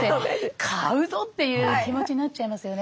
買うぞ！っていう気持ちになっちゃいますよね。